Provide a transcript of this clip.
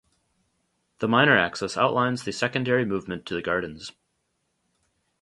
The minor axis outlines the secondary movement to the gardens.